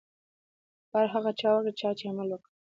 کار هغه چا وکړو، چا چي عمل وکړ.